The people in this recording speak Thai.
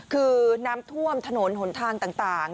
คือน้ำท่วมถนนหนทางต่าง